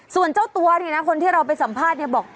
ส่วนเจ้าตัวนี่นะคนที่เราไปสัมภาษณ์เนี่ยบอก